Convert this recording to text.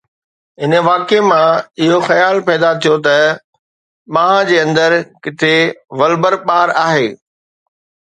ان واقعي مان اهو خيال پيدا ٿيو ته ٻانهن جي اندر ڪٿي ولبر ٻار آهي.